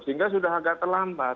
sehingga sudah agak terlambat